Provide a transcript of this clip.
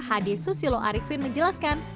hadi susilo arikvin menjelaskan